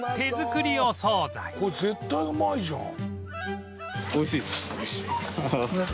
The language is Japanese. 「これ絶対うまいじゃん」